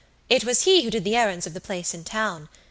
It was he who did the errands of the place in town.